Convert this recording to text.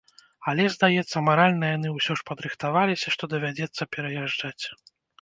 Але, здаецца, маральна яны ўсё ж падрыхтаваліся, што давядзецца пераязджаць.